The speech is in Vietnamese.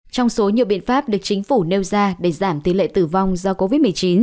trong số nhiều biện pháp được chính phủ nêu ra để giảm tỷ lệ tử vong do covid một mươi chín